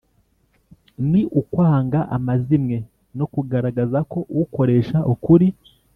ni ukwanga amazimwe no kugaragaza ko ukoresha ukuri.